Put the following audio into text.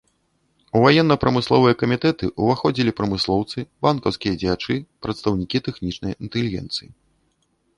У ваенна-прамысловыя камітэты ўваходзілі прамыслоўцы, банкаўскія дзеячы, прадстаўнікі тэхнічнай інтэлігенцыі.